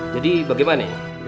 jadi bagaimana ya